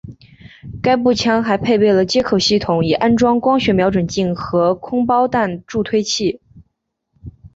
该步枪还配备了接口系统以安装光学瞄准镜和空包弹助退器。